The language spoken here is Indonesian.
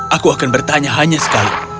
aku akan bertanya hanya sekali